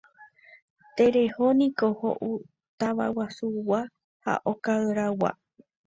Tereréniko ho'u tavaguasuygua ha okaraygua.